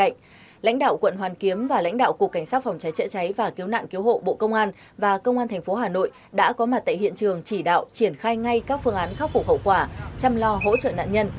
nhận được tin báo trung tâm thông tin chỉ huy công an phòng cháy chữa cháy và cứu nạn cứu hộ công an quận ba đình